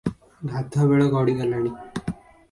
ଗାଧୁଆ ବେଳ ଗଡ଼ି ଗଲାଣି ।